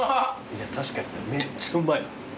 いや確かにめっちゃうまい。